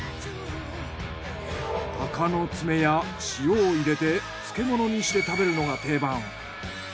鷹の爪や塩を入れて漬物にして食べるのが定番。